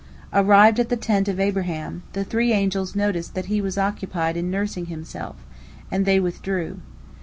Arrived at the tent of Abraham, the three angels noticed that he was occupied in nursing himself, and they withdrew.